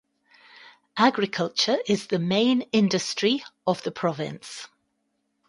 Agriculture is the main industry of the province.